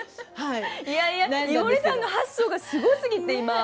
いやいや井森さんの発想がすごすぎて今。